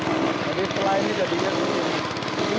jadi setelah ini jadinya seperti ini